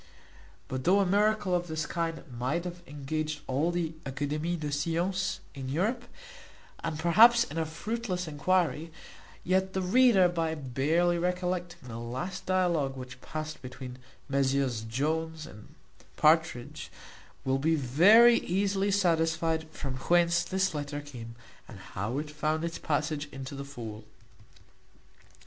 But though a miracle of this kind might have engaged all the Académies des Sciences in Europe, and perhaps in a fruitless enquiry; yet the reader, by barely recollecting the last dialogue which passed between Messieurs Jones and Partridge, will be very easily satisfied from whence this letter came, and how it found its passage into the fowl.